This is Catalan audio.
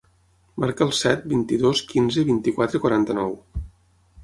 Marca el set, vint-i-dos, quinze, vint-i-quatre, quaranta-nou.